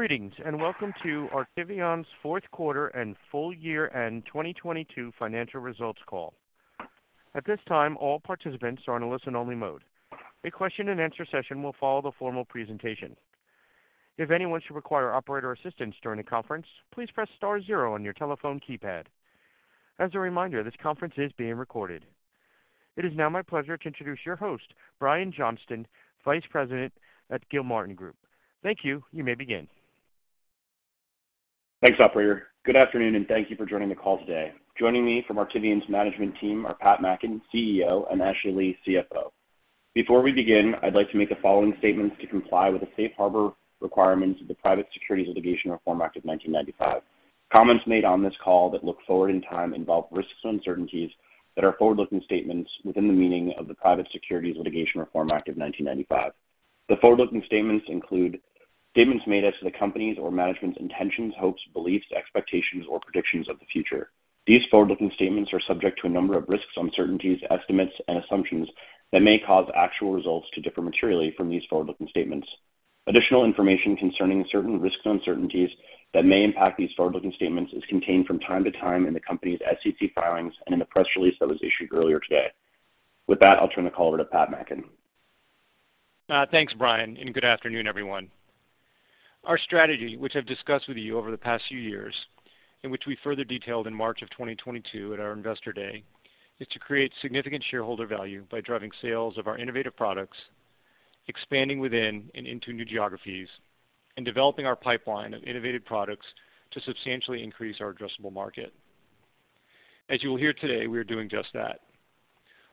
Greetings welcome to Artivion's Fourth Quarter and Full Year End 2022 Financial Results Call. At this time, all participants are in a listen-only mode. A question and answer session will follow the formal presentation. If anyone should require operator assistance during the conference, please press star zero on your telephone keypad. As a reminder, this conference is being recorded. It is now my pleasure to introduce your host, Brian Johnston, Vice President at Gilmartin Group. Thank you. You may begin. Thanks operator. Good afternoon, and thank you for joining the call today. Joining me from Artivion's management team are Pat Mackin, CEO, and Ashley Lee, CFO. Before we begin, I'd like to make the following statements to comply with the safe harbor requirements of the Private Securities Litigation Reform Act of 1995. Comments made on this call that look forward in time involve risks and uncertainties that are forward-looking statements within the meaning of the Private Securities Litigation Reform Act of 1995. The forward-looking statements include statements made as to the company's or management's intentions, hopes, beliefs, expectations, or predictions of the future. These forward-looking statements are subject to a number of risks, uncertainties, estimates, and assumptions that may cause actual results to differ materially from these forward-looking statements. Additional information concerning certain risks and uncertainties that may impact these forward-looking statements is contained from time to time in the company's SEC filings and in the press release that was issued earlier today. With that, I'll turn the call over to Pat Mackin. Thanks Brian good afternoon everyone. Our strategy, which I've discussed with you over the past few years and which we further detailed in March 2022 at our Investor Day, is to create significant shareholder value by driving sales of our innovative products, expanding within and into new geographies, and developing our pipeline of innovative products to substantially increase our addressable market. As you'll hear today, we are doing just that.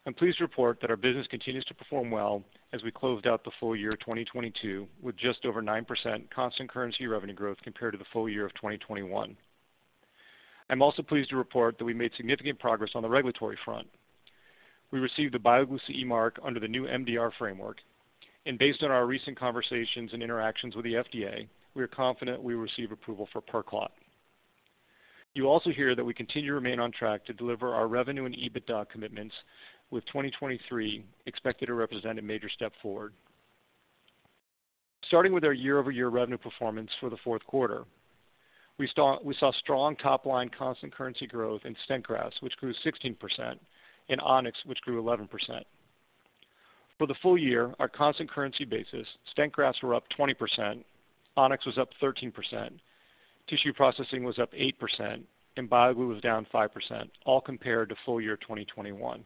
I'm pleased to report that our business continues to perform well as we closed out the full year 2022 with just over 9% constant currency revenue growth compared to the full year of 2021. I'm also pleased to report that we made significant progress on the regulatory front. We received the BioGlue CE mark under the new MDR framework. Based on our recent conversations and interactions with the FDA, we are confident we will receive approval for PerClot. You also hear that we continue to remain on track to deliver our revenue and EBITDA commitments, with 2023 expected to represent a major step forward. Starting with our year-over-year revenue performance for the fourth quarter, we saw strong top-line constant currency growth in stent grafts, which grew 16%, and On-X, which grew 11%. For the full year, our constant currency basis, stent grafts were up 20%, On-X was up 13%, tissue processing was up 8%, and BioGlue was down 5%, all compared to full year 2021.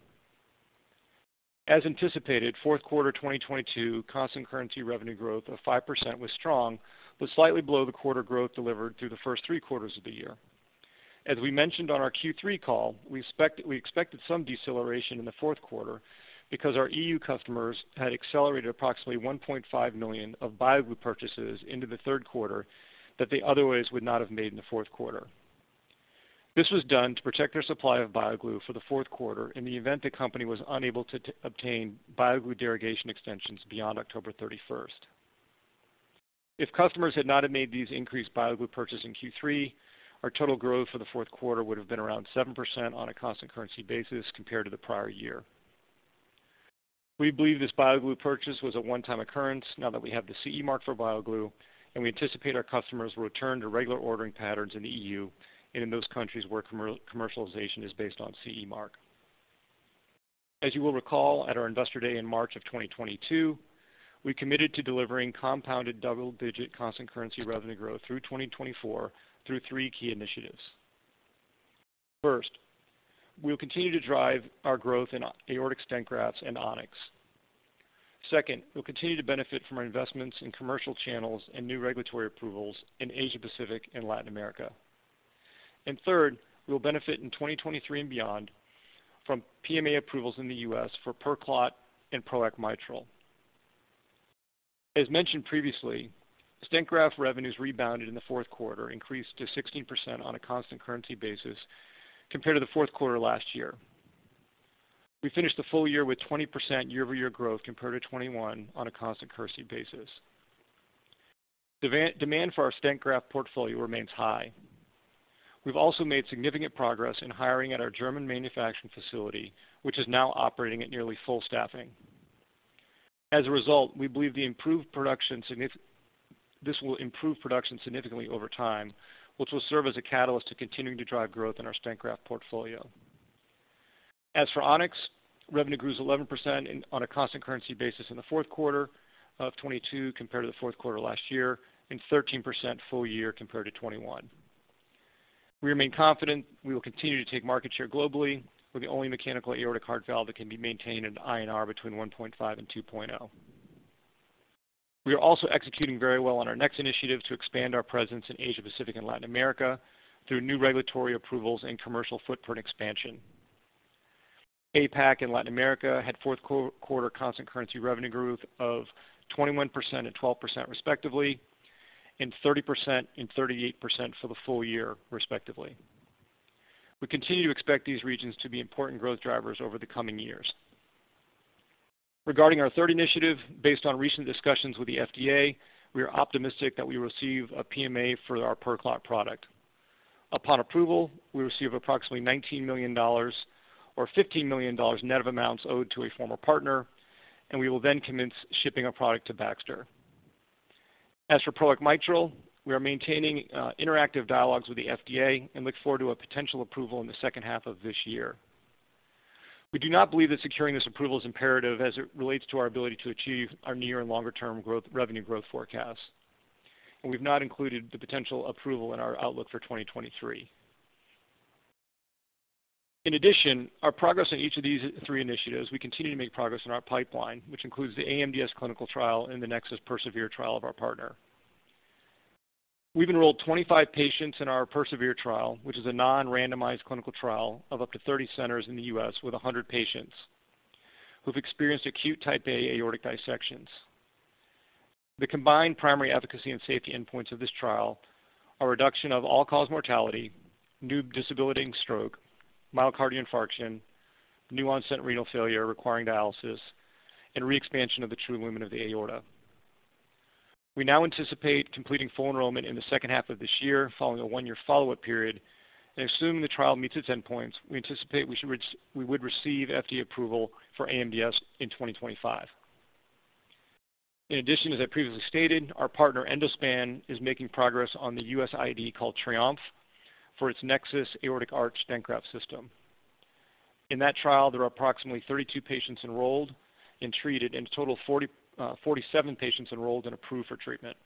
As anticipated, fourth quarter 2022 constant currency revenue growth of 5% was strong, but slightly below the quarter growth delivered through the first three quarters of the year. As we mentioned on our Q3 call, we expected some deceleration in the fourth quarter because our EU customers had accelerated approximately $1.5 million of BioGlue purchases into the third quarter that they otherwise would not have made in the fourth quarter. This was done to protect their supply of BioGlue for the fourth quarter in the event the company was unable to obtain BioGlue derogation extensions beyond October 31st. If customers had not have made these increased BioGlue purchase in Q3, our total growth for the fourth quarter would have been around 7% on a constant currency basis compared to the prior year. We believe this BioGlue purchase was a one-time occurrence now that we have the CE mark for BioGlue. We anticipate our customers will return to regular ordering patterns in the EU and in those countries where commercialization is based on CE mark. As you will recall, at our Investor Day in March of 2022, we committed to delivering compounded double-digit constant currency revenue growth through 2024 through three key initiatives. First, we'll continue to drive our growth in aortic stent grafts and On-X. Second, we'll continue to benefit from our investments in commercial channels and new regulatory approvals in Asia Pacific and Latin America. Third, we will benefit in 2023 and beyond from PMA approvals in the U.S. for PerClot and PROACT Mitral. As mentioned previously, stent graft revenues rebounded in the fourth quarter, increased to 16% on a constant currency basis compared to the fourth quarter last year. We finished the full year with 20% year-over-year growth compared to 2021 on a constant currency basis. Demand for our stent graft portfolio remains high. We've also made significant progress in hiring at our German manufacturing facility, which is now operating at nearly full staffing. As a result, we believe this will improve production significantly over time, which will serve as a catalyst to continuing to drive growth in our stent graft portfolio. As for On-X, revenue grew 11% on a constant currency basis in the fourth quarter of 2022 compared to the fourth quarter last year and 13% full year compared to 2021. We remain confident we will continue to take market share globally. We're the only mechanical aortic heart valve that can be maintained at an INR between 1.5 and 2.0. We are also executing very well on our next initiative to expand our presence in Asia Pacific and Latin America through new regulatory approvals and commercial footprint expansion. APAC and Latin America had fourth quarter constant currency revenue growth of 21% and 12% respectively, and 30% and 38% for the full year respectively. We continue to expect these regions to be important growth drivers over the coming years. Regarding our third initiative, based on recent discussions with the FDA, we are optimistic that we will receive a PMA for our PerClot product. Upon approval, we receive approximately $19 million or $15 million net of amounts owed to a former partner, and we will then commence shipping our product to Baxter. As for product mitral, we are maintaining interactive dialogues with the FDA and look forward to a potential approval in the second half of this year. We do not believe that securing this approval is imperative as it relates to our ability to achieve our near and longer-term growth, revenue growth forecast. We've not included the potential approval in our outlook for 2023. In addition, our progress in each of these three initiatives, we continue to make progress in our pipeline, which includes the AMDS clinical trial and the NEXUS PERSEVERE Trial of our partner. We've enrolled 25 patients in our PERSEVERE trial, which is a non-randomized clinical trial of up to 30 centers in the U.S. with 100 patients who've experienced acute Type A aortic dissections. The combined primary efficacy and safety endpoints of this trial are reduction of all-cause mortality, new disability and stroke, myocardial infarction, new-onset renal failure requiring dialysis, and re-expansion of the true lumen of the aorta. We now anticipate completing full enrollment in the second half of this year following a one year follow-up period. Assuming the trial meets its endpoints, we anticipate we would receive FDA approval for AMDS in 2025. In addition, as I previously stated, our partner Endospan is making progress on the U.S. IDE called TRIOMPHE for its NEXUS Aortic Arch Stent Graft System. In that trial, there are approximately 32 patients enrolled and treated, and a total of 47 patients enrolled and approved for treatment.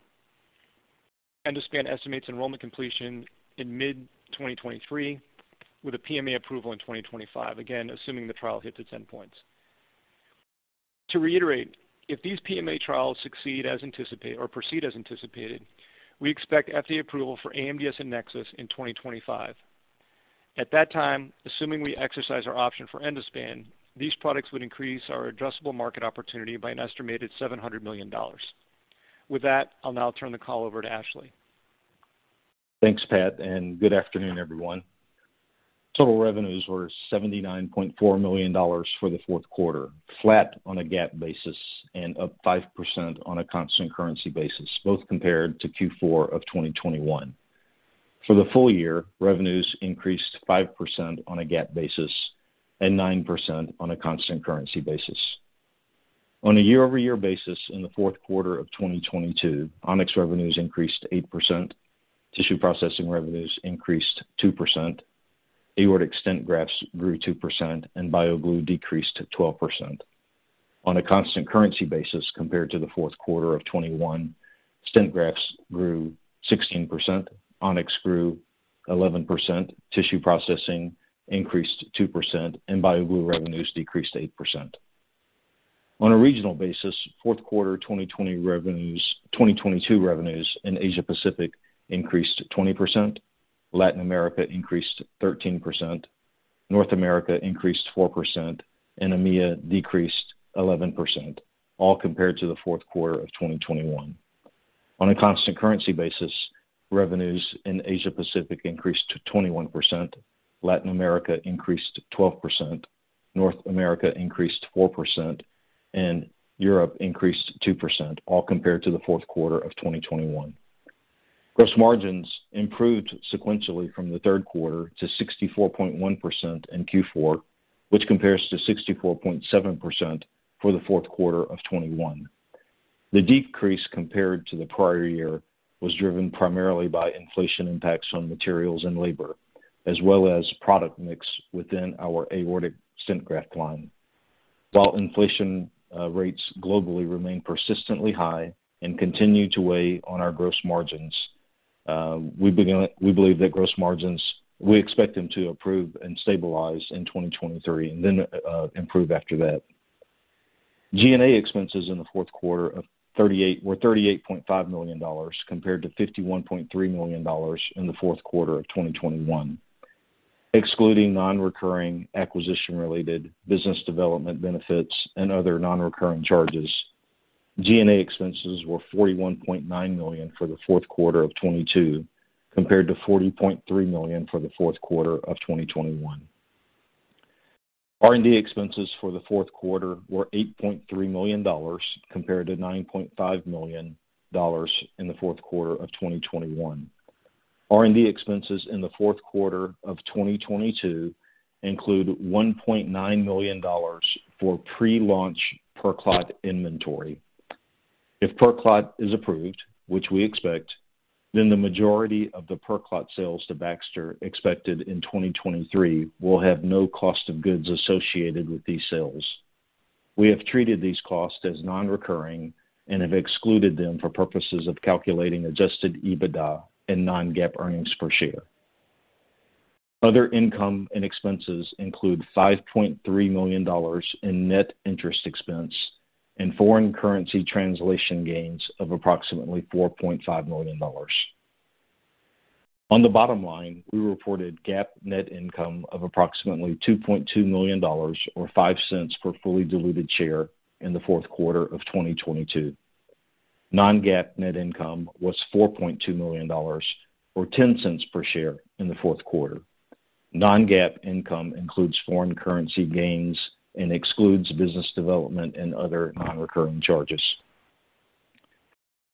Endospan estimates enrollment completion in mid-2023 with a PMA approval in 2025, again, assuming the trial hits its endpoints. To reiterate, if these PMA trials succeed as anticipated or proceed as anticipated, we expect FDA approval for AMDS and NEXUS in 2025. At that time, assuming we exercise our option for Endospan, these products would increase our addressable market opportunity by an estimated $700 million. With that, I'll now turn the call over to Ashley. Thanks Pat good afternoon everyone. Total revenues were $79.4 million for the fourth quarter, flat on a GAAP basis and up 5% on a constant currency basis, both compared to Q4 of 2021. For the full year, revenues increased 5% on a GAAP basis and 9% on a constant currency basis. On a year-over-year basis in the fourth quarter of 2022, On-X revenues increased 8%, tissue processing revenues increased 2%, aortic stent grafts grew 2%, and BioGlue decreased to 12%. On a constant currency basis compared to the fourth quarter of 2021, stent grafts grew 16%, On-X grew 11%, tissue processing increased 2%, and BioGlue revenues decreased 8%. On a regional basis, fourth quarter 2022 revenues in Asia Pacific increased 20%, Latin America increased 13%, North America increased 4%, and EMEA decreased 11%, all compared to the fourth quarter of 2021. On a constant currency basis, revenues in Asia Pacific increased to 21%, Latin America increased to 12%, North America increased 4%, and Europe increased 2%, all compared to the fourth quarter of 2021. Gross margins improved sequentially from the third quarter to 64.1% in Q4, which compares to 64.7% for the fourth quarter of 2021. The decrease compared to the prior year was driven primarily by inflation impacts on materials and labor, as well as product mix within our aortic stent graft line. While inflation rates globally remain persistently high and continue to weigh on our gross margins, we believe that gross margins, we expect them to improve and stabilize in 2023 and then improve after that. G&A expenses in the fourth quarter were $38.5 million compared to $51.3 million in the fourth quarter of 2021. Excluding non-recurring acquisition-related business development benefits and other non-recurring charges, G&A expenses were $41.9 million for the fourth quarter of 2022 compared to $40.3 million for the fourth quarter of 2021. R&D expenses for the fourth quarter were $8.3 million compared to $9.5 million in the fourth quarter of 2021. R&D expenses in the fourth quarter of 2022 include $1.9 million for pre-launch PerClot inventory. If PerClot is approved, which we expect, then the majority of the PerClot sales to Baxter expected in 2023 will have no cost of goods associated with these sales. We have treated these costs as non-recurring and have excluded them for purposes of calculating Adjusted EBITDA and non-GAAP earnings per share. Other income and expenses include $5.3 million in net interest expense and foreign currency translation gains of approximately $4.5 million. On the bottom line, we reported GAAP net income of approximately $2.2 million or $0.05 per fully diluted share in the fourth quarter of 2022. Non-GAAP net income was $4.2 million or $0.10 per share in the fourth quarter. Non-GAAP income includes foreign currency gains and excludes business development and other non-recurring charges.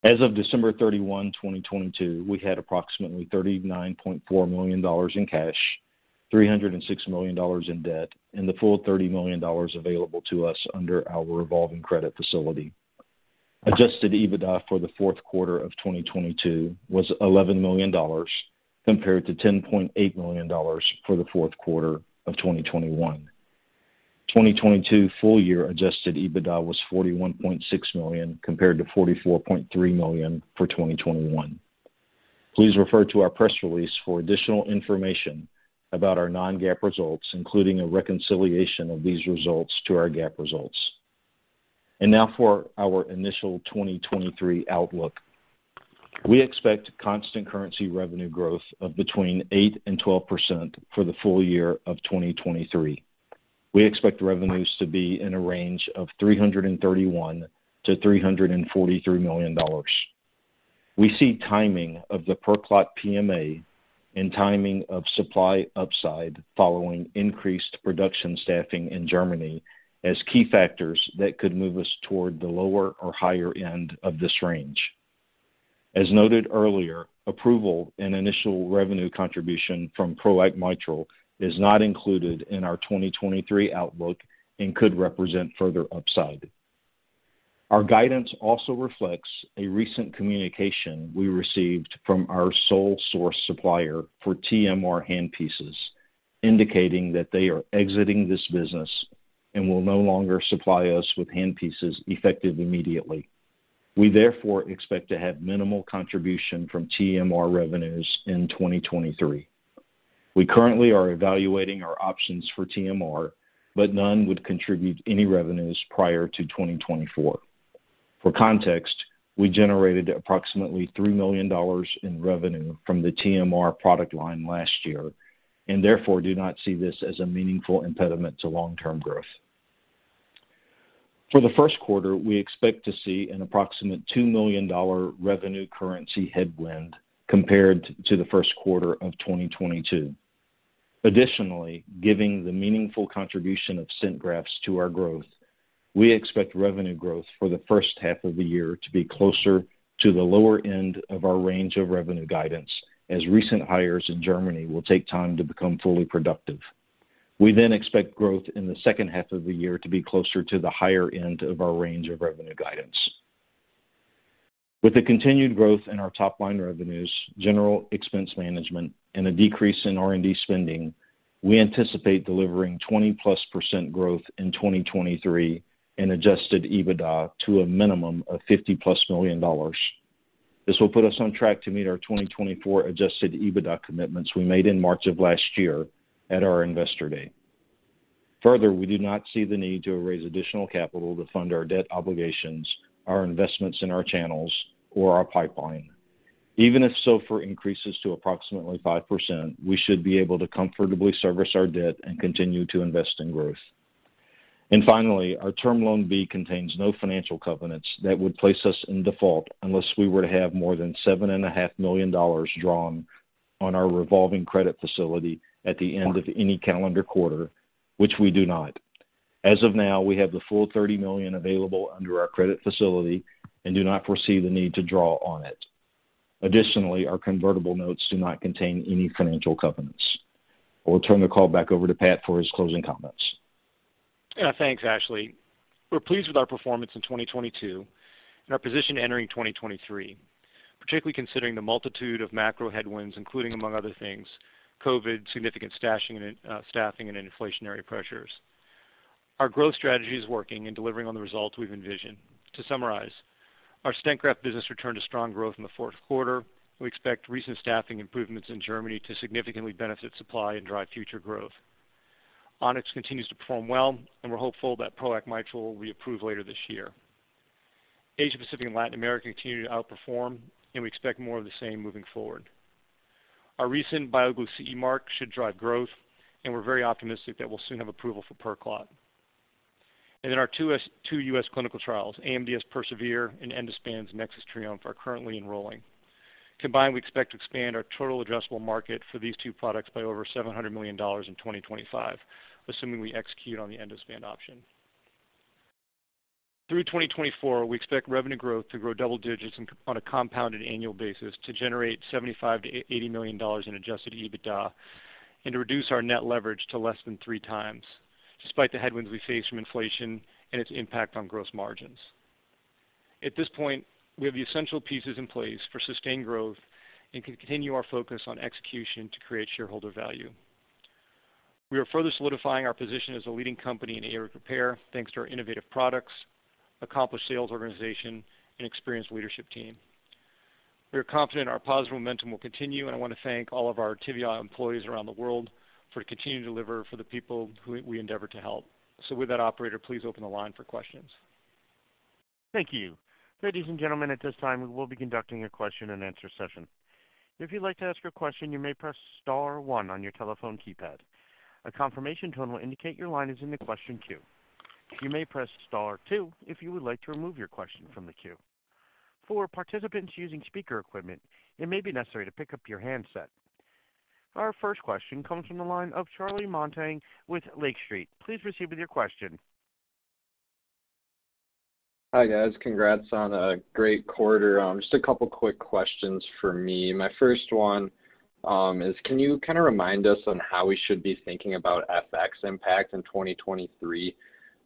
As of December 31, 2022, we had approximately $39.4 million in cash, $306 million in debt and the full $30 million available to us under our revolving credit facility. Adjusted EBITDA for the fourth quarter of 2022 was $11 million compared to $10.8 million for the fourth quarter of 2021. 2022 full year Adjusted EBITDA was $41.6 million compared to $44.3 million for 2021. Please refer to our press release for additional information about our non-GAAP results, including a reconciliation of these results to our GAAP results. Now for our initial 2023 outlook. We expect constant currency revenue growth of between 8%-12% for the full year of 2023. We expect revenues to be in a range of $331 million-$343 million. We see timing of the PerClot PMA and timing of supply upside following increased production staffing in Germany as key factors that could move us toward the lower or higher end of this range. As noted earlier, approval and initial revenue contribution from PROACT Mitral is not included in our 2023 outlook and could represent further upside. Our guidance also reflects a recent communication we received from our sole source supplier for TMR hand pieces, indicating that they are exiting this business and will no longer supply us with hand pieces effective immediately. We therefore expect to have minimal contribution from TMR revenues in 2023. We currently are evaluating our options for TMR, but none would contribute any revenues prior to 2024. For context, we generated approximately $3 million in revenue from the TMR product line last year. Therefore, do not see this as a meaningful impediment to long-term growth. For the first quarter, we expect to see an approximate $2 million revenue currency headwind compared to the first quarter of 2022. Additionally, giving the meaningful contribution of stent grafts to our growth, we expect revenue growth for the first half of the year to be closer to the lower end of our range of revenue guidance as recent hires in Germany will take time to become fully productive. We expect growth in the second half of the year to be closer to the higher end of our range of revenue guidance. With the continued growth in our top line revenues, general expense management and a decrease in R&D spending, we anticipate delivering 20+% growth in 2023 in Adjusted EBITDA to a minimum of $50 million+. This will put us on track to meet our 2024 Adjusted EBITDA commitments we made in March of last year at our Investor Day. We do not see the need to raise additional capital to fund our debt obligations, our investments in our channels or our pipeline. Even if SOFR increases to approximately 5%, we should be able to comfortably service our debt and continue to invest in growth. Finally, our Term Loan B contains no financial covenants that would place us in default unless we were to have more than $7.5 million drawn on our revolving credit facility at the end of any calendar quarter, which we do not. As of now, we have the full $30 million available under our credit facility and do not foresee the need to draw on it. Additionally, our convertible notes do not contain any financial covenants. I will turn the call back over to Pat for his closing comments. Thanks Ashley. We're pleased with our performance in 2022 and our position entering 2023, particularly considering the multitude of macro headwinds, including among other things COVID, significant staffing and inflationary pressures. Our growth strategy is working and delivering on the results we've envisioned. To summarize, our stent graft business returned to strong growth in the fourth quarter. We expect recent staffing improvements in Germany to significantly benefit supply and drive future growth. On-X continues to perform well and we're hopeful that PROACT Mitral will be approved later this year. Asia-Pacific and Latin America continue to outperform and we expect more of the same moving forward. Our recent BioGlue CE mark should drive growth, and we're very optimistic that we'll soon have approval for PerClot. Our two U.S. clinical trials, AMDS PERSEVERE and Endospan's NEXUS TRIOMPHE are currently enrolling. Combined, we expect to expand our total addressable market for these two products by over $700 million in 2025, assuming we execute on the Endospan option. Through 2024, we expect revenue growth to grow double digits on a compounded annual basis to generate $75 million-$80 million in Adjusted EBITDA and to reduce our net leverage to less than 3x, despite the headwinds we face from inflation and its impact on gross margins. At this point, we have the essential pieces in place for sustained growth and can continue our focus on execution to create shareholder value. We are further solidifying our position as a leading company in aortic repair, thanks to our innovative products, accomplished sales organization and experienced leadership team. We are confident our positive momentum will continue, and I want to thank all of our Artivion employees around the world for continuing to deliver for the people who we endeavor to help. With that, operator, please open the line for questions. Thank you. Ladies and gentlemen, at this time, we will be conducting a question and answer session. If you'd like to ask a question, you may press star one on your telephone keypad. A confirmation tone will indicate your line is in the question queue. You may press star two if you would like to remove your question from the queue. For participants using speaker equipment, it may be necessary to pick up your handset. Our first question comes from the line of Brooks O'Neil with Lake Street. Please proceed with your question. Hi guys. Congrats on a great quarter. Just a couple of quick questions for me. My first one, is can you kind of remind us on how we should be thinking about FX impact in 2023,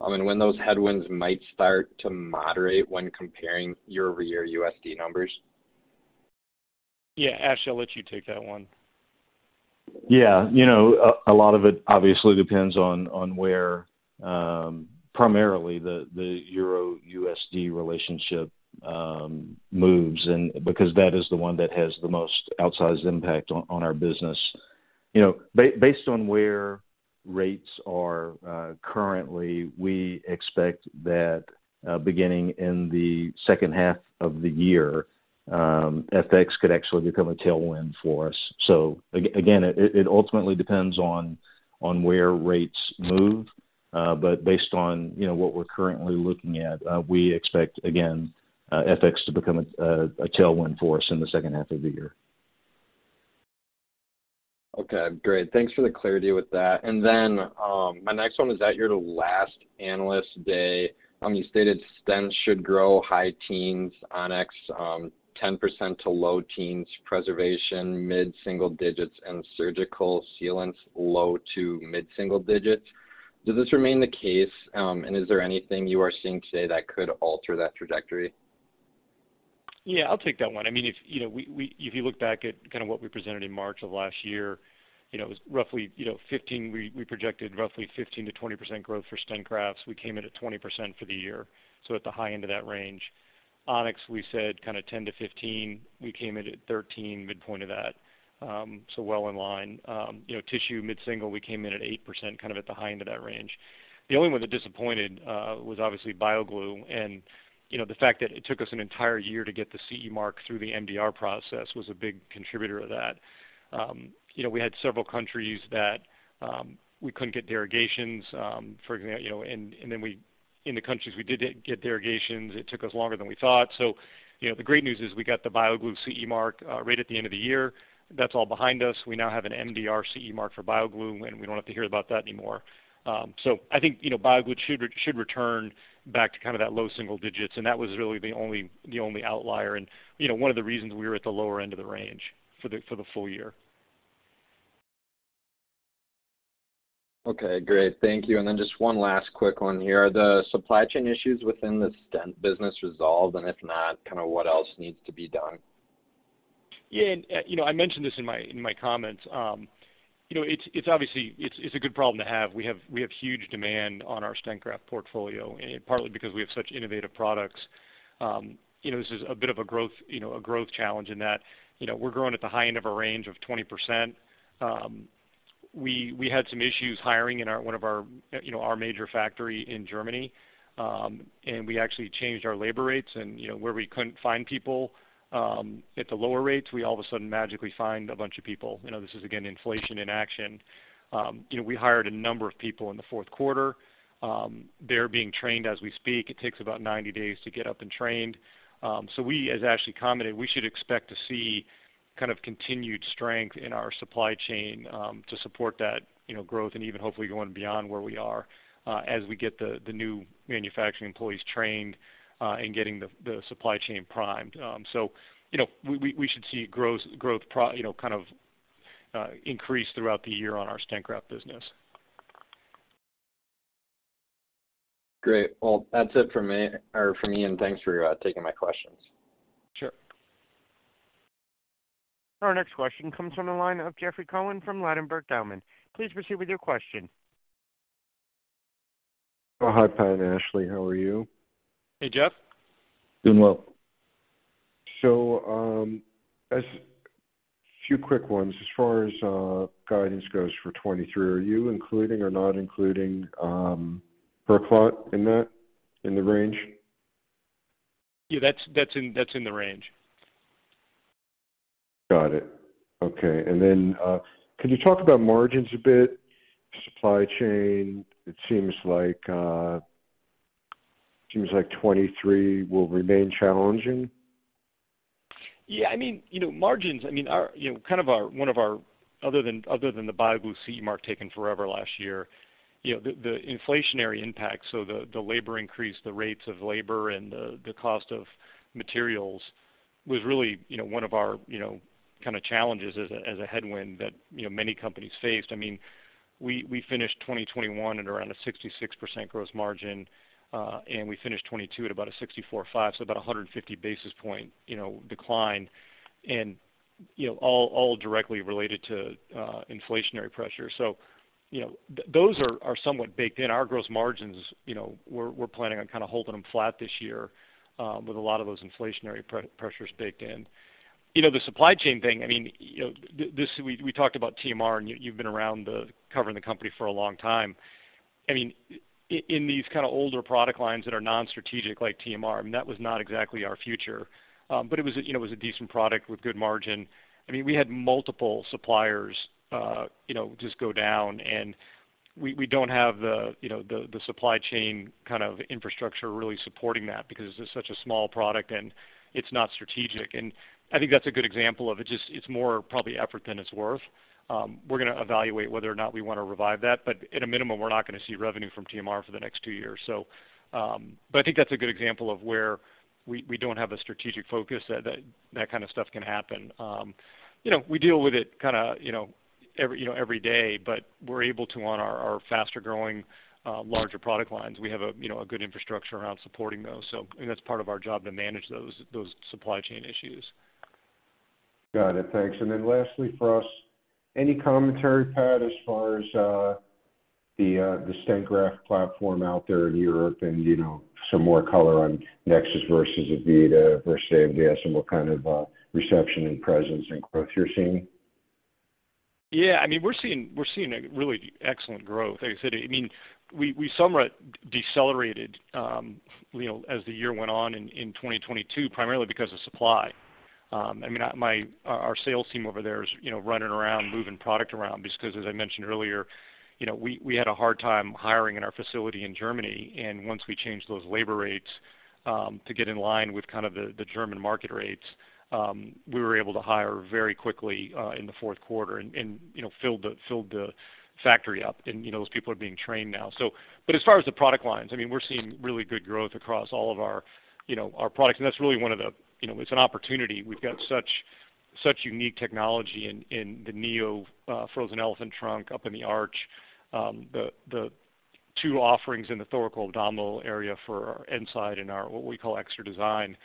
and when those headwinds might start to moderate when comparing year-over-year USD numbers? Yeah Ashley I'll let you take that one. Yeah. You know, a lot of it obviously depends on where primarily the Euro-USD relationship moves and because that is the one that has the most outsized impact on our business. You know, based on where rates are currently, we expect that beginning in the second half of the year, FX could actually become a tailwind for us. Again, it ultimately depends on where rates move, but based on, you know, what we're currently looking at, we expect again, FX to become a tailwind for us in the second half of the year. Okay great. Thanks for the clarity with that. My next one is at your last Analyst Day, you stated stents should grow high teens, On-X, 10% to low teens, preservation mid-single digits, and surgical sealants low to mid-single digits. Does this remain the case? Is there anything you are seeing today that could alter that trajectory? Yeah I'll take that one. I mean, if, you know, we if you look back at kind of what we presented in March of last year, you know, it was roughly, you know, 15%-20% growth for stent grafts. We came in at 20% for the year, so at the high end of that range. On-X, we said kind of 10%-15%, we came in at 13%, midpoint of that, so well in line. You know, tissue, mid-single, we came in at 8%, kind of at the high end of that range. The only one that disappointed was obviously BioGlue. The fact that it took us an entire year to get the CE mark through the MDR process was a big contributor to that. You know, we had several countries that we couldn't get derogations, you know, and then in the countries we did get derogations, it took us longer than we thought. you know, the great news is we got the BioGlue CE mark right at the end of the year. That's all behind us. We now have an MDR CE mark for BioGlue, and we don't have to hear about that anymore. I think, you know, BioGlue should return back to kind of that low single digits, and that was really the only outlier and, you know, one of the reasons we were at the lower end of the range for the full year. Okay great. Thank you. Just one last quick one here? Are the supply chain issues within the stent business resolved? If not, kind of what else needs to be done? Yeah. You know, I mentioned this in my, in my comments. You know, it's obviously, it's a good problem to have. We have huge demand on our stent graft portfolio, and partly because we have such innovative products. You know, this is a bit of a growth, you know, a growth challenge in that, you know, we're growing at the high end of a range of 20%. We had some issues hiring in one of our, you know, our major factory in Germany. We actually changed our labor rates and, you know, where we couldn't find people, at the lower rates, we all of a sudden magically find a bunch of people. You know, this is again, inflation in action. You know, we hired a number of people in the fourth quarter, they're being trained as we speak. It takes about 90 days to get up and trained. We, as Ashley commented, we should expect to see kind of continued strength in our supply chain, to support that, you know, growth and even hopefully going beyond where we are, as we get the new manufacturing employees trained, and getting the supply chain primed. You know, we should see growth pro-- you know, kind of, increase throughout the year on our stent graft business. Great. that's it for me, or from me, and thanks for taking my questions. Sure. Our next question comes from the line of Jeffrey Cohen from Ladenburg Thalmann. Please proceed with your question. Hi Pat and Ashley how are you? Hey Jeff. Doing well. Few quick ones. As far as guidance goes for 2023, are you including or not including PerClot in that, in the range? Yeah, that's in the range. Got it. Okay. Then, could you talk about margins a bit? Supply chain, it seems like, seems like 2023 will remain challenging. Yeah, I mean, you know, margins, I mean, our, you know, kind of one of our other than, other than the BioGlue CE mark taking forever last year, you know, the inflationary impact, the labor increase, the rates of labor and the cost of materials was really, you know, one of our, you know, kind of challenges as a, as a headwind that, you know, many companies faced. I mean, we finished 2021 at around a 66% gross margin, and we finished 2022 at about a 64.5, so about 150 basis points, you know, decline and, you know, all directly related to inflationary pressure. You know, those are somewhat baked in. Our gross margins, you know, we're planning on kind of holding them flat this year, with a lot of those inflationary pre-pressures baked in. You know, the supply chain thing, I mean, you know, we talked about TMR and you've been around covering the company for a long time. I mean, in these kind of older product lines that are non-strategic like TMR, I mean, that was not exactly our future. It was a, you know, it was a decent product with good margin. I mean, we had multiple suppliers, you know, just go down. We don't have the, you know, the supply chain kind of infrastructure really supporting that because it's such a small product and it's not strategic. I think that's a good example of it's more probably effort than it's worth. We're gonna evaluate whether or not we wanna revive that, but at a minimum, we're not gonna see revenue from TMR for the next two years. I think that's a good example of where we don't have a strategic focus that kind of stuff can happen. You know, we deal with it kinda, you know, every day, but we're able to on our faster growing, larger product lines. We have a good infrastructure around supporting those. I think that's part of our job to manage those supply chain issues. Got it. Thanks. Lastly for us, any commentary, Pat, as far as the the stent graft platform out there in Europe and, you know, some more color on NEXUS versus E-vita versus E-nside, and what kind of reception and presence and growth you're seeing? Yeah. I mean, we're seeing a really excellent growth. As I said, I mean, we somewhat decelerated, you know, as the year went on in 2022 primarily because of supply. I mean, our sales team over there is, you know, running around, moving product around because as I mentioned earlier, you know, we had a hard time hiring in our facility in Germany. Once we changed those labor rates to get in line with kind of the German market rates, we were able to hire very quickly in the fourth quarter and, you know, fill the factory up. You know, those people are being trained now. As far as the product lines, I mean, we're seeing really good growth across all of our, you know, our products, and that's really one of the. You know, it's an opportunity. We've got such unique technology in the NEO Frozen Elephant Trunk up in the arch. The two offerings in the thoracoabdominal area for our E-nside and our what we call E-xtra Design,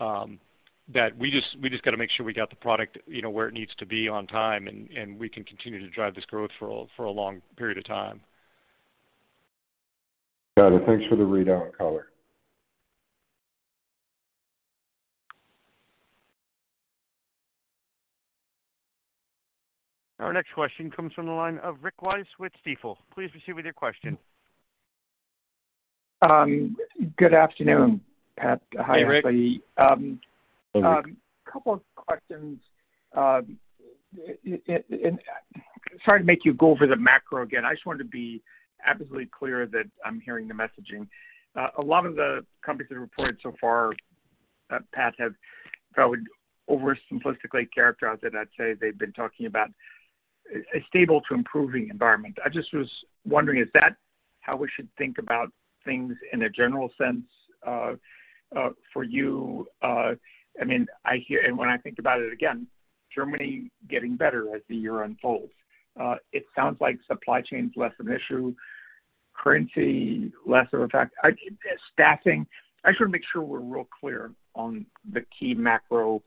that we just gotta make sure we got the product, you know, where it needs to be on time, and we can continue to drive this growth for a long period of time. Got it. Thanks for the readout and color. Our next question comes from the line of Rick Wise with Stifel. Please proceed with your question. Good afternoon Pat. Hey Rick. Hi everybody. Hello Rick. A couple of questions. Sorry to make you go over the macro again. I just wanted to be absolutely clear that I'm hearing the messaging. A lot of the companies that reported so far, Pat, have if I would oversimplistically characterize it, I'd say they've been talking about a stable to improving environment. I just was wondering, is that how we should think about things in a general sense for you? I mean, I hear... When I think about it again, Germany getting better as the year unfolds. It sounds like supply chain is less an issue, currency less of a factor. Is staffing... I just wanna make sure we're real clear on the key macro,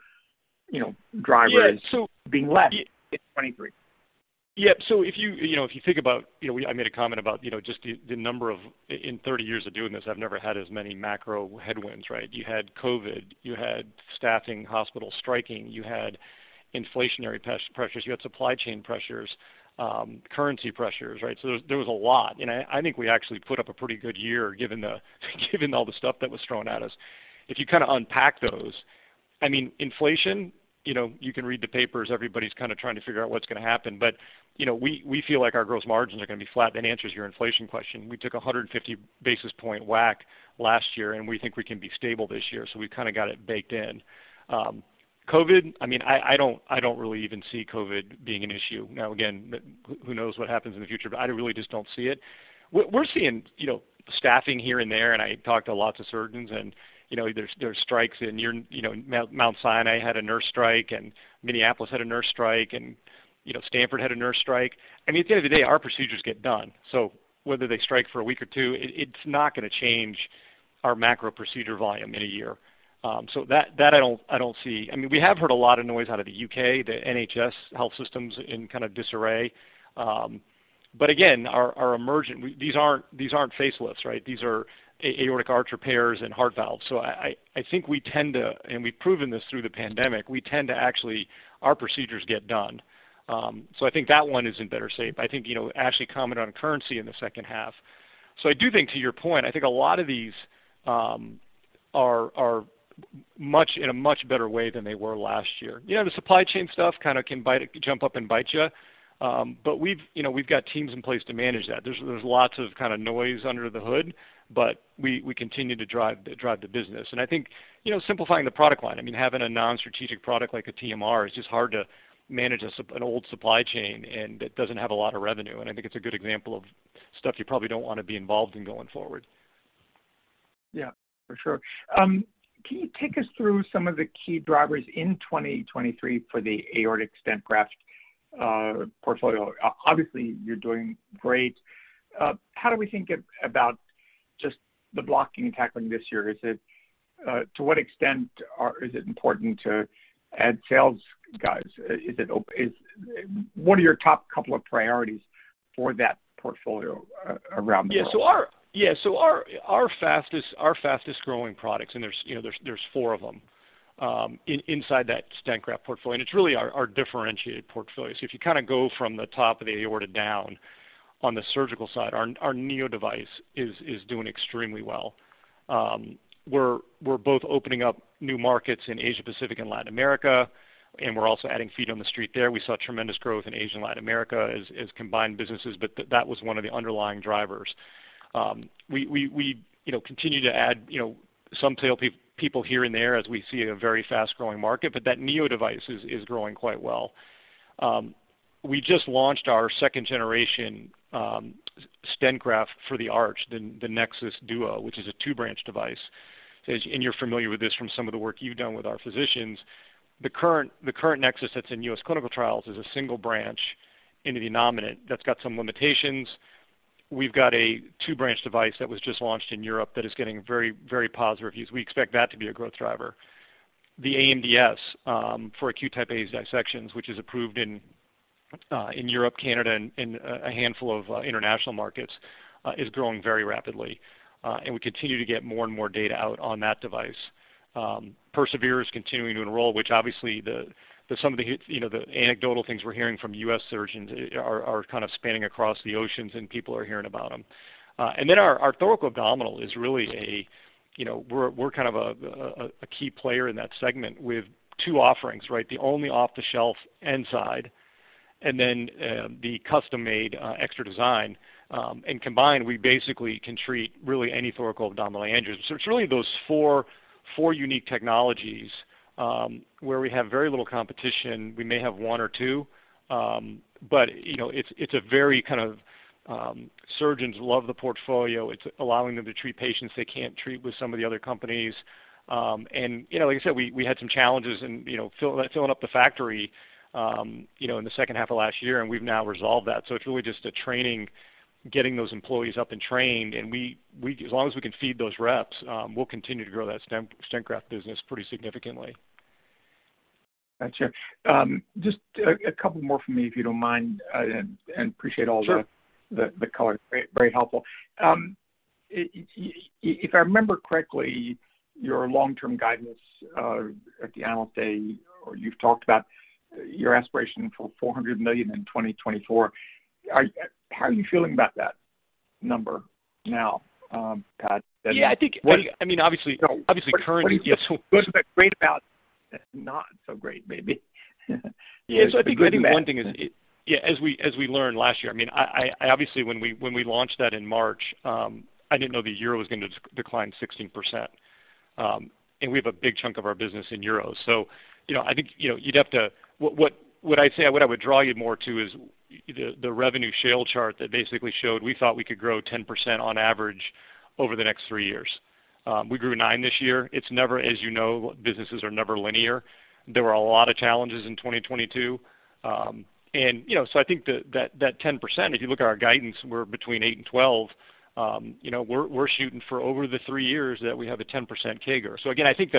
you know, drivers... Yeah. -being less in 2023. Yeah. If you know, if you think about, you know, I made a comment about, you know, just the number of... In 30 years of doing this, I've never had as many macro headwinds, right? You had COVID, you had staffing, hospital striking, you had inflationary pressures, you had supply chain pressures, currency pressures, right? There was a lot. I think we actually put up a pretty good year given all the stuff that was thrown at us. If you kinda unpack those, I mean, inflation, you know, you can read the papers. Everybody's kinda trying to figure out what's gonna happen. You know, we feel like our gross margins are gonna be flat. That answers your inflation question. We took 150 basis point whack last year, and we think we can be stable this year, we kinda got it baked in. COVID, I mean, I don't really even see COVID being an issue. Now, again, who knows what happens in the future, but I really just don't see it. We're seeing, you know, staffing here and there, and I talk to lots of surgeons and, you know, there's strikes in your... You know, Mount Sinai had a nurse strike, and Minneapolis had a nurse strike and, you know, Stanford had a nurse strike. I mean, at the end of the day, our procedures get done. Whether they strike for a week or two, it's not gonna change our macro procedure volume in a year. That I don't see. I mean, we have heard a lot of noise out of the U.K., the NHS Health Systems in kind of disarray. Again, these aren't facelifts, right? These are aortic arch repairs and heart valves. I think we tend to. We've proven this through the pandemic, we tend to actually our procedures get done. I think that one is in better shape. I think, you know, Ashley commented on currency in the second half. I do think to your point, I think a lot of these are in a much better way than they were last year. You know, the supply chain stuff kind of can jump up and bite you. We've, you know, we've got teams in place to manage that. There's lots of kinda noise under the hood, but we continue to drive the business. I think, you know, simplifying the product line, I mean, having a non-strategic product like a TMR is just hard to manage an old supply chain. It doesn't have a lot of revenue. I think it's a good example of stuff you probably don't wanna be involved in going forward. Yeah, for sure. Can you take us through some of the key drivers in 2023 for the aortic stent graft portfolio? Obviously, you're doing great. How do we think about just the blocking and tackling this year? Is it, to what extent is it important to add sales guys? What are your top couple of priorities for that portfolio around the world? Our fastest growing products, and there's, you know, there's four of them, inside that stent graft portfolio, and it's really our differentiated portfolio. If you kinda go from the top of the aorta down on the surgical side, our NEO device is doing extremely well. We're both opening up new markets in Asia Pacific and Latin America, and we're also adding feet on the street there. We saw tremendous growth in Asia and Latin America as combined businesses, but that was one of the underlying drivers. We, you know, continue to add, you know, some sale people here and there as we see a very fast growing market, but that NEO device is growing quite well. We just launched our second generation stent graft for the arch, the NEXUS DUO, which is a two-branch device. You're familiar with this from some of the work you've done with our physicians. The current NEXUS that's in U.S. clinical trials is a single branch into the innominate. That's got some limitations. We've got a two-branch device that was just launched in Europe that is getting very, very positive reviews. We expect that to be a growth driver. The AMDS for acute Type A dissections, which is approved in Europe, Canada, and a handful of international markets, is growing very rapidly, and we continue to get more and more data out on that device. PERSEVERE is continuing to enroll, which obviously some of the, you know, the anecdotal things we're hearing from U.S. surgeons are kind of spanning across the oceans, people are hearing about them. Our thoracoabdominal is really a, you know, we're kind of a key player in that segment with two offerings, right? The only off-the-shelf E-nside, the custom-made E-xtra Design. Combined, we basically can treat really any thoracoabdominal aneurysms. It's really those four unique technologies, where we have very little competition. We may have one or two, you know, it's a very kind of. Surgeons love the portfolio. It's allowing them to treat patients they can't treat with some of the other companies. You know, like I said, we had some challenges in, you know, filling up the factory, you know, in the second half of last year, we've now resolved that. It's really just a training, getting those employees up and trained. We as long as we can feed those reps, we'll continue to grow that stent graft business pretty significantly. Gotcha. Just a couple more from me, if you don't mind, and appreciate. Sure. the color. Very helpful. If I remember correctly, your long-term guidance at the analyst day or you've talked about your aspiration for $400 million in 2024. How are you feeling about that number now, Pat? Yeah I think-. What are you-? I mean, obviously- No. Obviously currency What is great about, not so great maybe? Yeah. I think one thing is Including that. Yeah. As we learned last year, I mean, I obviously, when we launched that in March, I didn't know the Euro was going to decline 16%, and we have a big chunk of our business in Euros. You know, I think, you know, what I'd say, what I would draw you more to is the revenue shale chart that basically showed we thought we could grow 10% on average over the next three years. We grew nine this year. As you know, businesses are never linear. There were a lot of challenges in 2022. You know, I think that 10%, if you look at our guidance, we're between eight and twelve. You know, we're shooting for over the three years that we have a 10% CAGR. Again, I think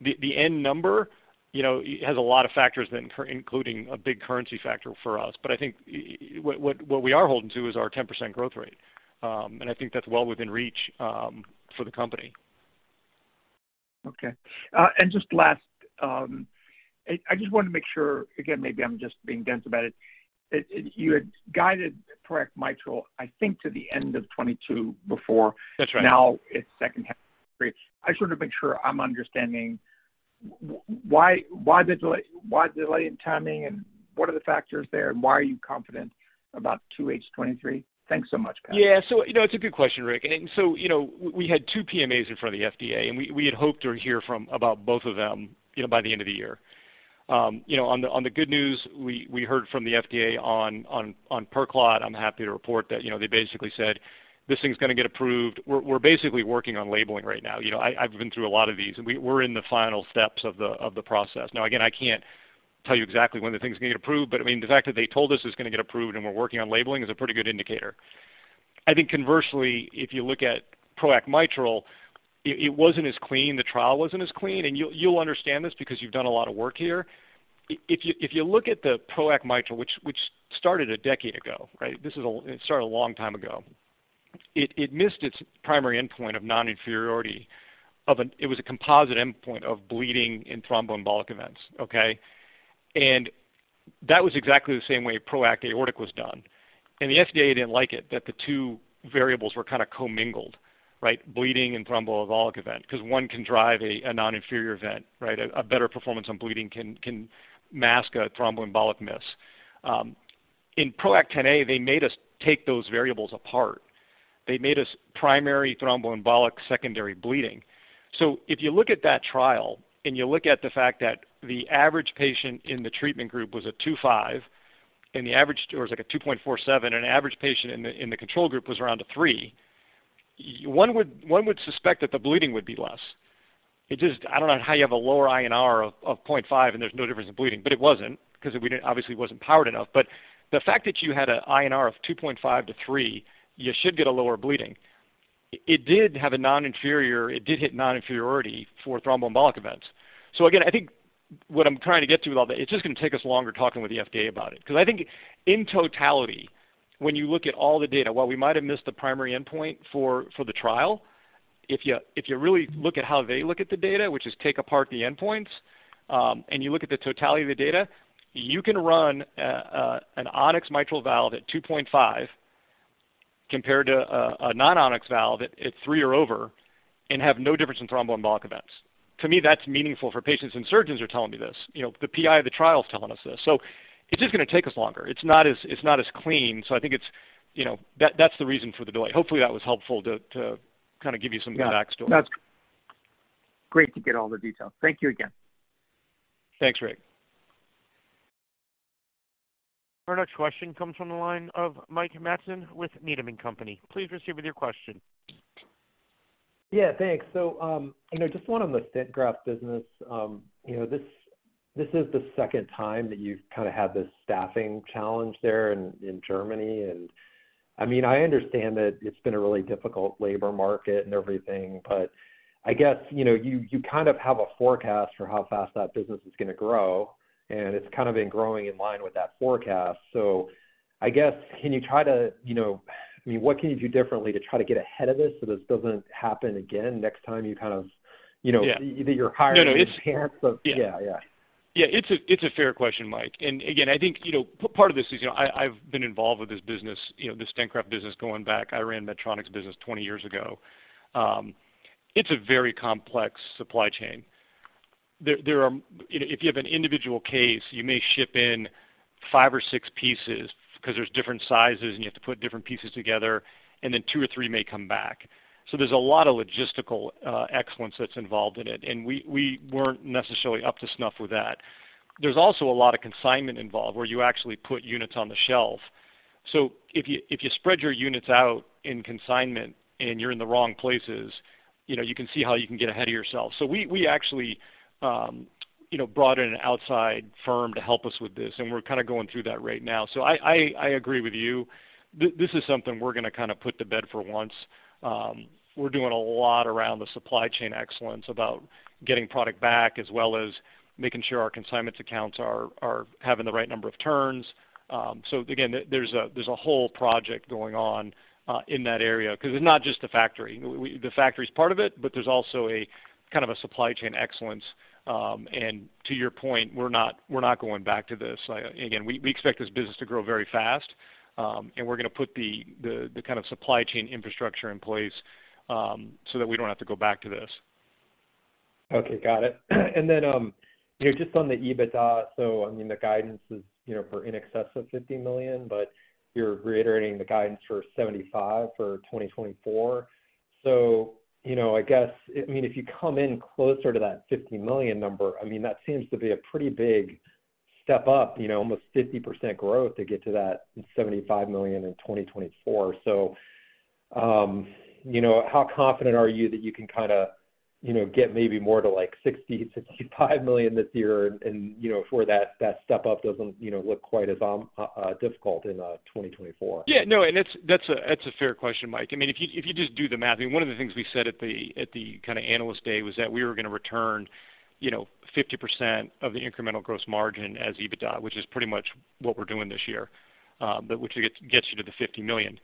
the end number, you know, it has a lot of factors including a big currency factor for us. I think what we are holding to is our 10% growth rate. I think that's well within reach for the company. Okay. Just last, I just want to make sure, again, maybe I'm just being dense about it. You had guided PROACT Mitral, I think, to the end of 2022 before. That's right. It's second half of 2023. I just wanna make sure I'm understanding, why the delay in timing, and what are the factors there, and why are you confident about 2H 2023? Thanks so much, Pat. You know, it's a good question, Rick. You know, we had two PMAs in front of the FDA, and we had hoped to hear from about both of them, you know, by the end of the year. You know, on the good news, we heard from the FDA on PerClot. I'm happy to report that, you know, they basically said, "This thing's gonna get approved." We're basically working on labeling right now. You know, I've been through a lot of these. We're in the final steps of the process. Again, I can't tell you exactly when the thing's gonna get approved, but I mean, the fact that they told us it's gonna get approved and we're working on labeling is a pretty good indicator. I think conversely, if you look at PROACT Mitral, it wasn't as clean, the trial wasn't as clean. You'll understand this because you've done a lot of work here. If you look at the PROACT Mitral, which started a decade ago, right? It started a long time ago. It missed its primary endpoint of non-inferiority of a composite endpoint of bleeding in thromboembolic events. Okay? That was exactly the same way PROACT aortic was done. The FDA didn't like it, that the two variables were kinda co-mingled, right? Bleeding and thromboembolic event, 'cause one can drive a non-inferior event, right? A better performance on bleeding can mask a thromboembolic miss. In PROACT Xa, they made us take those variables apart. They made us primary thromboembolic, secondary bleeding. If you look at that trial, and you look at the fact that the average patient in the treatment group was a 2.5, or it was like a 2.47, and average patient in the control group was around a three, one would suspect that the bleeding would be less. I don't know how you have a lower INR of 0.5 and there's no difference in bleeding, it wasn't, 'cause obviously it wasn't powered enough. The fact that you had a INR of 2.5-3, you should get a lower bleeding. It did hit non-inferiority for thromboembolic events. Again, I think what I'm trying to get to with all the... It's just gonna take us longer talking with the FDA about it. 'Cause I think in totality, when you look at all the data, while we might have missed the primary endpoint for the trial, if you really look at how they look at the data, which is take apart the endpoints, and you look at the totality of the data, you can run an On-X mitral valve at 2.5 compared to a non-On-X valve at three or over and have no difference in thromboembolic events. To me, that's meaningful for patients. Surgeons are telling me this. You know, the PI of the trial is telling us this. It's just gonna take us longer. It's not as clean. I think it's, you know. That's the reason for the delay. Hopefully, that was helpful to kinda give you some context to it. Great to get all the details. Thank you again. Thanks Rick. Our next question comes from the line of Mike Matson with Needham & Company. Please proceed with your question. Yeah thanks. You know, just one on the stent graft business. You know, this is the second time that you've kind of had this staffing challenge there in Germany. I mean, I understand that it's been a really difficult labor market and everything, but I guess, you know, you kind of have a forecast for how fast that business is gonna grow, and it's kind of been growing in line with that forecast. I guess can you try to, you know, I mean, what can you do differently to try to get ahead of this so this doesn't happen again next time you kind of, you know? Yeah... either you're... No, no.... in advance of... Yeah. Yeah. Yeah it's a fair question Mike. Again, I think, you know, part of this is, you know, I've been involved with this business, you know, the Stent Graft business going back. I ran Medtronic's business 20 years ago. It's a very complex supply chain. There are, you know, if you have an individual case, you may ship in five or six pieces because there's different sizes, and you have to put different pieces together, and then two or three may come back. There's a lot of logistical excellence that's involved in it, and we weren't necessarily up to snuff with that. There's also a lot of consignment involved where you actually put units on the shelf. If you spread your units out in consignment and you're in the wrong places, you know, you can see how you can get ahead of yourself. We actually, you know, brought in an outside firm to help us with this, and we're kind of going through that right now. I agree with you. This is something we're gonna kind to put to bed for once. We're doing a lot around the supply chain excellence, about getting product back as well as making sure our consignments accounts are having the right number of turns. Again, there's a whole project going on in that area 'cause it's not just the factory. The factory's part of it, but there's also a kind of a supply chain excellence. To your point, we're not going back to this. Again, we expect this business to grow very fast, and we're gonna put the kind of supply chain infrastructure in place, so that we don't have to go back to this. Okay got it. Then, you know, just on the EBITDA, I mean, the guidance is, you know, for in excess of $50 million, but you're reiterating the guidance for $75 million for 2024. You know, I mean, if you come in closer to that $50 million number, I mean, that seems to be a pretty big step up, you know, almost 50% growth to get to that $75 million in 2024. You know, how confident are you that you can kinda, you know, get maybe more to like $60 million-$65 million this year and, you know, for that step up doesn't, you know, look quite as difficult in 2024? No, that's a fair question, Mike. I mean, if you, if you just do the math, I mean, one of the things we said at the, at the kind of Investor Day was that we were gonna return, you know, 50% of the incremental gross margin as EBITDA, which is pretty much what we're doing this year, which gets you to the $50 million.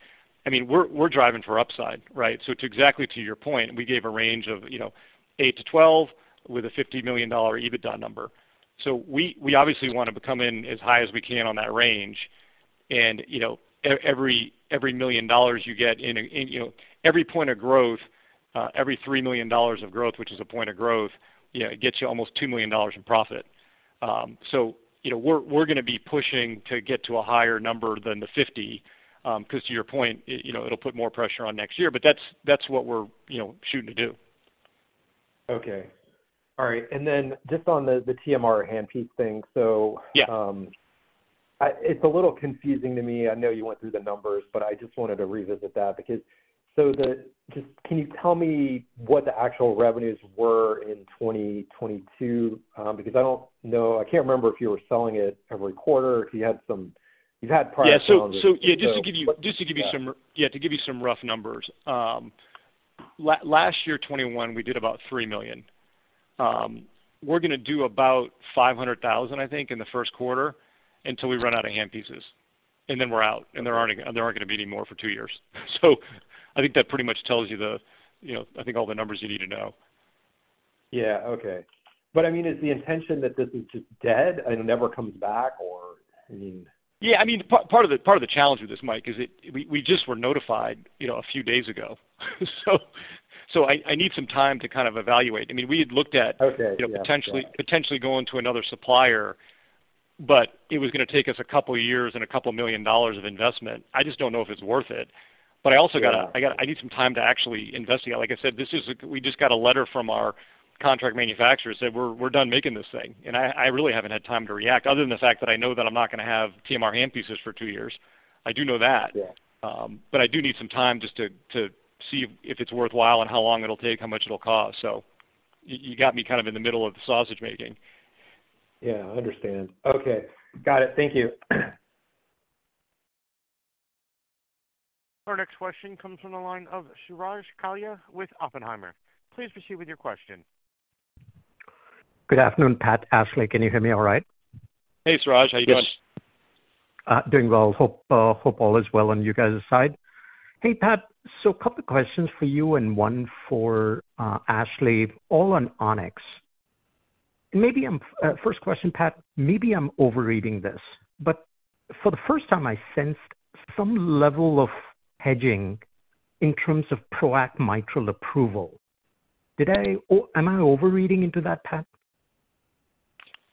I mean, we're driving for upside, right? To exactly to your point, we gave a range of, you know, eight to 12 with a $50 million EBITDA number. We obviously wanna come in as high as we can on that range. You know, every $1 million you get in, you know, every point of growth, every $3 million of growth, which is a point of growth, you know, it gets you almost $2 million in profit. you know, we're gonna be pushing to get to a higher number than the 50, 'cause to your point, it, you know, it'll put more pressure on next year. That's what we're, you know, shooting to do. Okay. All right. Just on the TMR handpiece thing. Yeah It's a little confusing to me. I know you went through the numbers, but I just wanted to revisit that because. Just can you tell me what the actual revenues were in 2022? because I don't know. I can't remember if you were selling it every quarter, if you had some. You've had prior challenges. Yeah. yeah. What's that? Just to give you some. Yeah, to give you some rough numbers. last year, 2021, we did about $3 million. We're gonna do about $500,000, I think, in the first quarter until we run out of hand pieces, and then we're out, and there aren't gonna be any more for two years. I think that pretty much tells you the, you know, I think all the numbers you need to know. Yeah. Okay. I mean, is the intention that this is just dead and never comes back or, I mean... I mean, part of the challenge with this, Mike, is we just were notified, you know, a few days ago. I need some time to kind of evaluate. I mean, we had looked at. Okay. Yeah. You know, potentially going to another supplier, it was gonna take us a couple years and a couple million dollars of investment. I just don't know if it's worth it. I also gotta. Yeah I need some time to actually investigate. Like I said, We just got a letter from our contract manufacturer saying, "We're done making this thing." I really haven't had time to react, other than the fact that I know that I'm not gonna have TMR hand pieces for two years. I do know that. Yeah. I do need some time just to see if it's worthwhile and how long it'll take, how much it'll cost. You got me kind of in the middle of the sausage making. Yeah I understand. Okay. Got it. Thank you. Our next question comes from the line of Suraj Kalia with Oppenheimer. Please proceed with your question. Good afternoon Pat, Ashley. Can you hear me all right? Hey Suraj how are you doing? Yes. Doing well. Hope all is well on you guys' side. Hey, Pat. Couple questions for you and one for Ashley, all on On-X. First question, Pat, maybe I'm overreading this, but for the first time, I sensed some level of hedging in terms of PROACT Mitral approval. Am I overreading into that, Pat?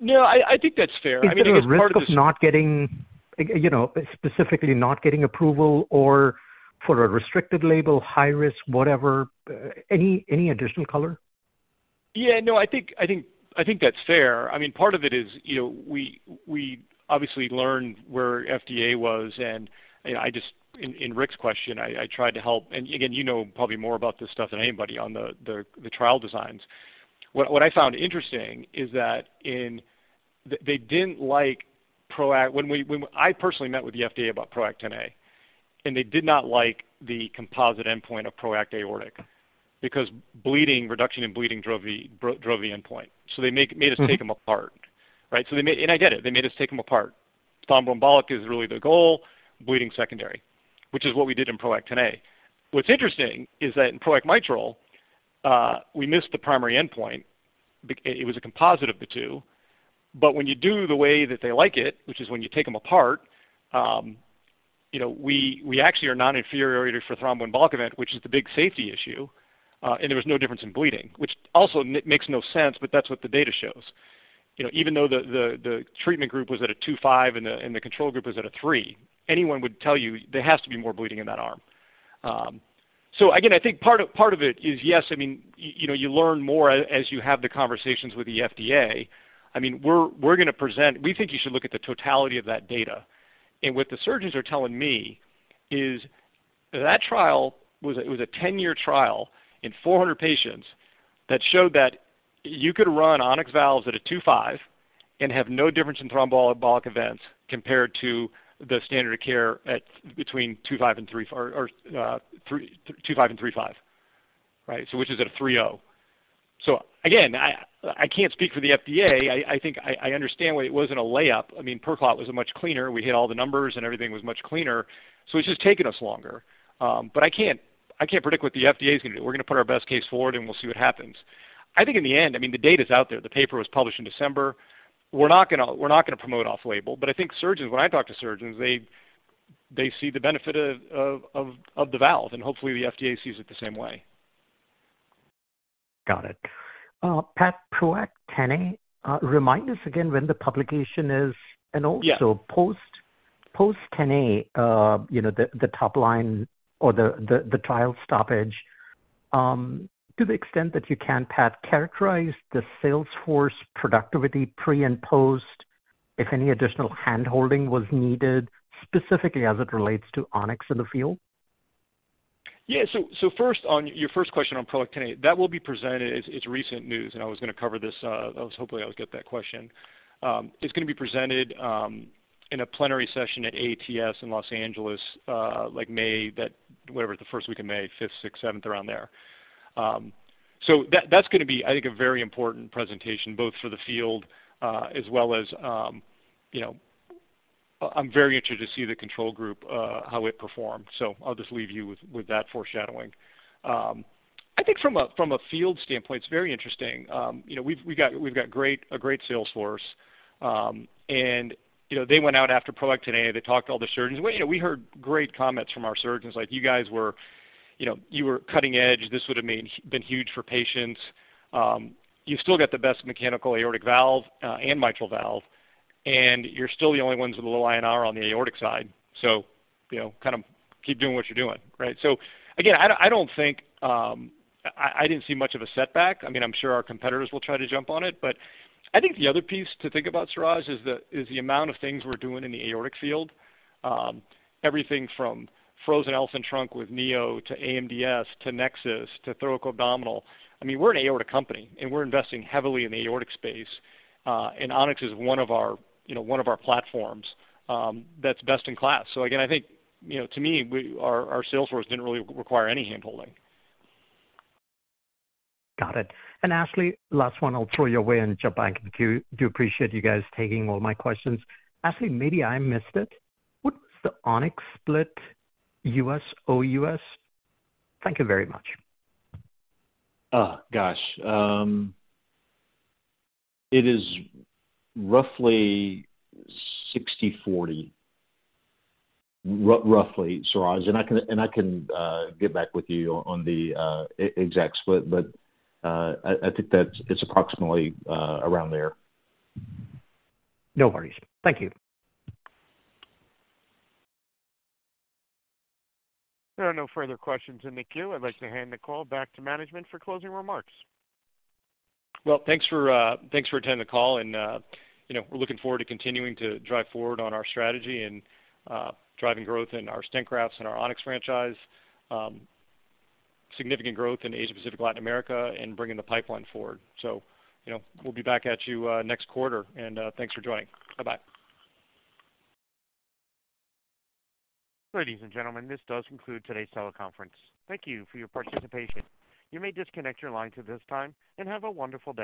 No, I think that's fair. I mean, I think it's part of. Is there a risk of not getting, you know, specifically not getting approval or for a restricted label, high risk, whatever, any additional color? I think that's fair. I mean, part of it is, you know, we obviously learned where FDA was, and in Rick's question, I tried to help. You know probably more about this stuff than anybody on the trial designs. What I found interesting is that I personally met with the FDA about PROACT Xa, and they did not like the composite endpoint of PROACT aortic because bleeding, reduction in bleeding drove the endpoint. They made us take them apart, right? I get it. They made us take them apart. Thromboembolic is really the goal, bleeding secondary, which is what we did in PROACT Xa. What's interesting is that in PROACT Mitral, we missed the primary endpoint. It was a composite of the two. When you do the way that they like it, which is when you take them apart, you know, we actually are non-inferior for thromboembolic event, which is the big safety issue, and there was no difference in bleeding, which also makes no sense, but that's what the data shows. You know, even though the treatment group was at a 2.5 and the control group was at a three, anyone would tell you there has to be more bleeding in that arm. Again, I think part of it is, yes, I mean, you know, you learn more as you have the conversations with the FDA. I mean, we're gonna present... We think you should look at the totality of that data. What the surgeons are telling me is that trial was a 10-year trial in 400 patients that showed that you could run On-X valves at a 2.5 and have no difference in thromboembolic events compared to the standard of care at between 2.5 and three or 2.5 and 3.5. Right? Which is at a 3.0. Again, I can't speak for the FDA. I think I understand why it wasn't a layup. I mean, PerClot was a much cleaner. We hit all the numbers, and everything was much cleaner. It's just taken us longer. I can't, I can't predict what the FDA is gonna do. We're gonna put our best case forward, and we'll see what happens. I think in the end, I mean, the data is out there. The paper was published in December. We're not gonna promote off-label. I think surgeons, when I talk to surgeons, they see the benefit of the valve, and hopefully, the FDA sees it the same way. Got it. Pat, PROACT Xa, remind us again when the publication is? Yeah. Post NA, you know, the top line or the trial stoppage, to the extent that you can, Pat, characterize the sales force productivity pre and post, if any additional hand-holding was needed, specifically as it relates to On-X in the field? Yeah. First, on your first question on PROACT Xa, that will be presented. It's recent news. I was gonna cover this. I was hoping I would get that question. It's gonna be presented in a plenary session at AATS in Los Angeles, like May, that whatever the first week of May, fifth, sixth, seventh around there. That's gonna be, I think, a very important presentation both for the field, as well as, you know, I'm very interested to see the control group, how it performed. I'll just leave you with that foreshadowing. I think from a field standpoint, it's very interesting. You know, we've got a great sales force. You know, they went out after PROACT Xa, they talked to all the surgeons. We, you know, we heard great comments from our surgeons. Like you guys were, you know, you were cutting edge. This would have been huge for patients. You still got the best mechanical aortic valve, and mitral valve, and you're still the only ones with a low INR on the aortic side. You know, kind of keep doing what you're doing, right? Again, I don't, I don't think, I didn't see much of a setback. I mean, I'm sure our competitors will try to jump on it. I think the other piece to think about, Suraj, is the amount of things we're doing in the aortic field. Everything from Frozen Elephant Trunk with Neo to AMDS, to NEXUS, to thoracoabdominal. I mean, we're an aortic company, and we're investing heavily in the aortic space. On-X is one of our, you know, one of our platforms, that's best in class. Again, I think, you know, to me, our sales force didn't really require any hand-holding. Got it Ashley last one I'll throw your way and jump back in the queue. Do appreciate you guys taking all my questions. Ashley, maybe I missed it. What was the On-X split, U.S., OUS? Thank you very much. Oh gosh. It is roughly 60/40. Roughly, Suraj, and I can get back with you on the exact split, but I think that it's approximately around there. No worries. Thank you. There are no further questions in the queue. I'd like to hand the call back to management for closing remarks. Well thanks for attending the call, and, you know, we're looking forward to continuing to drive forward on our strategy and driving growth in our stent grafts and our On-X franchise. Significant growth in Asia, Pacific, Latin America, and bringing the pipeline forward. You know, we'll be back at you, next quarter, and thanks for joining. Bye-bye. Ladies and gentlemen, this does conclude today's teleconference. Thank you for your participation. You may disconnect your lines at this time. Have a wonderful day.